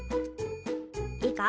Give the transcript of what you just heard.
いいか？